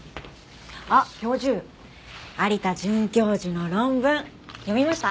あっ教授有田准教授の論文読みました？